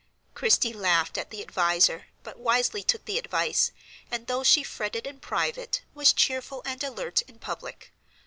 Christie laughed at the adviser, but wisely took the advice, and, though she fretted in private, was cheerful and alert in public.